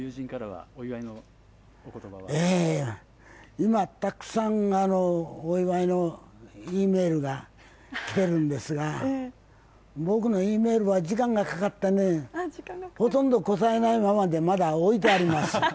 今たくさんお祝いのＥメールが来ているんですが、僕のＥメールは時間がかかって、ほとんど答えないままでまだ置いてあります。